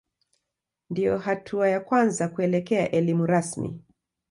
Ndiyo hatua ya kwanza kuelekea elimu rasmi.